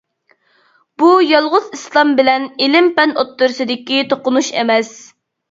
بۇ يالغۇز ئىسلام بىلەن ئىلىم-پەن ئوتتۇرىسىدىكى توقۇنۇش ئەمەس.